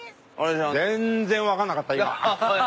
全然わからなかった今。